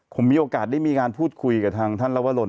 ผมมีโอกาสได้มีการพูดคุยกับทางท่านลวรน